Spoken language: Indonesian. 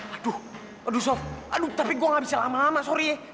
aduh aduh soft aduh tapi gue gak bisa lama lama sorry